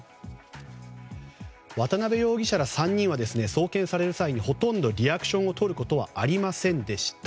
渡邉容疑者ら３人は送検される際にほとんどリアクションを取ることは、ありませんでした。